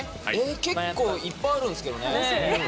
結構いっぱいあるんですけどね。